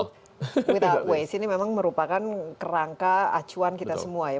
with waste ini memang merupakan kerangka acuan kita semua ya